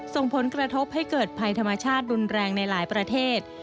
ส่งผลกระทบให้เกิดภัยธรรมชาติรุนแรงในหลายประเทศ